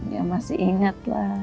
ya masih ingat lah